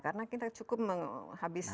karena kita cukup menghabiskan